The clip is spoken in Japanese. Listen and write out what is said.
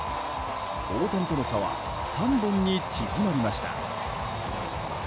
大谷との差は３本に縮まりました。